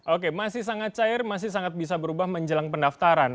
oke masih sangat cair masih sangat bisa berubah menjelang pendaftaran